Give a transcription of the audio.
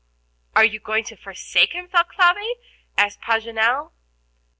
"Are you going to forsake him, Thalcave?" asked Paganel.